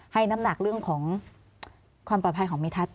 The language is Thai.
น้ำหนักเรื่องของความปลอดภัยของเมทัศน